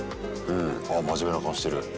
あ真面目な顔してる。